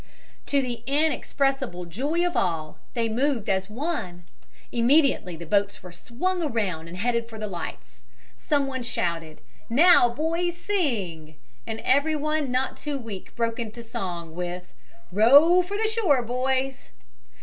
To the inexpressible joy of all, they moved as one! Immediately the boats were swung around and headed for the lights. Someone shouted: "Now, boys, sing!" and everyone not too weak broke into song with "Row for the shore, boys."